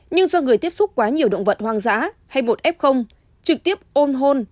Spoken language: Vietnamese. nhưng do người tiếp xúc quá nhiều động vật hoang dã hay một ép không trực tiếp ôn hôn